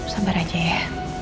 sabar aja ya